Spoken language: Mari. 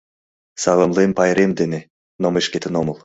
— Саламлем пайрем денеНо мый шкетын омыл.